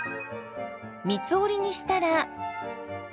三つ折りにしたら。